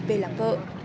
về làm vợ